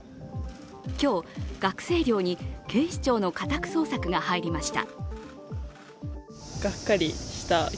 今日、学生寮に警視庁の家宅捜索が入りました。